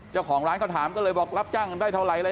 เจ้าของร้านเขาถามก็เลยบอกรับจ้างได้เท่าไหรอะไร